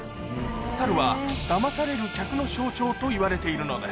猿は騙される客の象徴といわれているのです